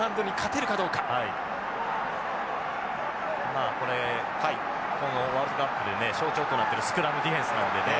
まあこれこのワールドカップでね象徴となってるスクラムディフェンスなのでね。